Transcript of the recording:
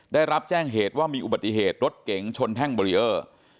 ได้รับแจ้งเหตุว่ามีอุบัติเหตุรถเก๋งชนแท่งเบรีเออร์